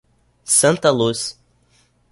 Santa Luz